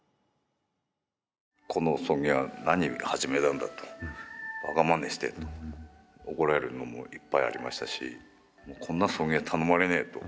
この葬儀屋何始めたんだとばかなまねしてと怒られるのもいっぱいありましたしこんな葬儀屋頼まれねえと。